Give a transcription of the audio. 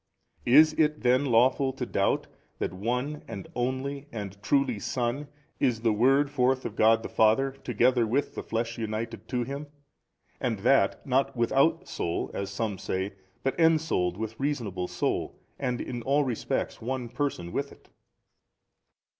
Is it then lawful to doubt that One and Only and Truly Son is the Word forth of God the Father together with the flesh united to Him and that not without soul, as some say, but ensouled with reasonable soul and in all respects One Person with it?